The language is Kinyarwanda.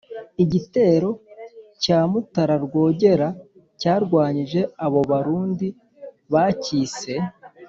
igitero cya mutara rwogera cyarwanyije abo barundi bacyise "